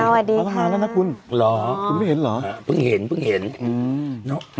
สวัสดีประธานแล้วนะคุณเหรอคุณไม่เห็นเหรอเพิ่งเห็นเพิ่งเห็นอืมเนอะ